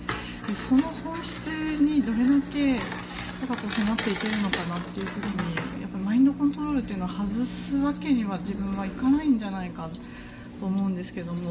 その本質にどれだけ迫っていけるのかなって時にマインドコントロールというのは外すわけには自分はいかないんじゃないかと思うんですけど。